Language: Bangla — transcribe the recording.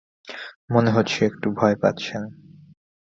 মনে হচ্ছে একটু ভয় পাচ্ছেন।